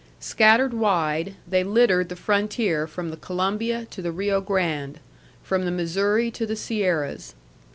Scattered wide, they littered the frontier from the Columbia to the Rio Grande, from the Missouri to the Sierras.